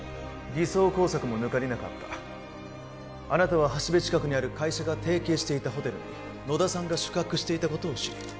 偽装工作も抜かりなかったあなたは橋部近くにある会社が提携していたホテルに野田さんが宿泊していたことを知り